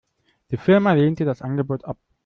Die Firma lehnte das Angebot ab.